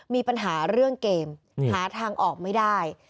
มีปัญหาเรื่องเกมหาทางออกไม่ได้